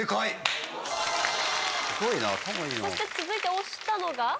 続いて押したのが。